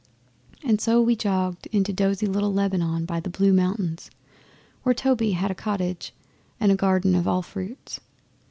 And so we jogged 'into dozy little Lebanon by the Blue Mountains, where Toby had a cottage and a garden of all fruits.